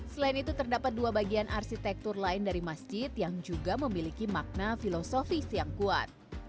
selain itu terdapat dua bagian arsitektur lain dari masjid yang juga memiliki makna filosofis yang kuat